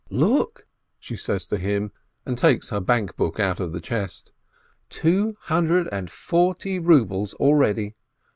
"Look," she says to him, and takes her bank book out of the chest, "two hundred and forty rubles already.